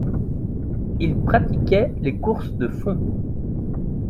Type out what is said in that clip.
Il pratiquait les courses de fond.